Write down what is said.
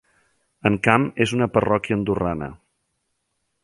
Encamp és una parròquia andorrana.